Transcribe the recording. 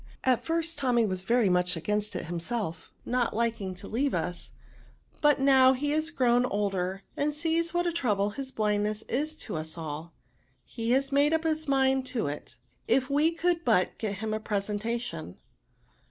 At first. Tommy was very much against it himself, not liking to leave us ; but now he is grown older, and sees what a trouble his blindness is to us all, he has made up his mind to it, if we could but get him a presentation."